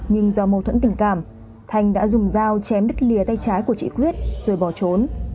nhưng do mâu thuẫn tình cảm thanh đã dùng dao chém đứt lìa tay trái của chị quyết rồi bỏ trốn